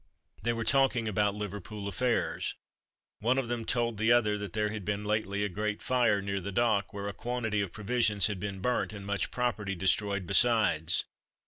They were talking about Liverpool affairs: one of them told the other that there had been lately a great fire near the dock, where a quantity of provisions had been burnt, and much property destroyed besides.